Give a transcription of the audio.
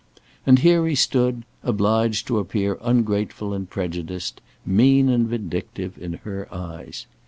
And here he stood, obliged to appear ungrateful and prejudiced, mean and vindictive, in her eyes.